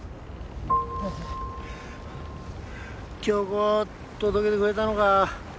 恭子届けてくれたのか。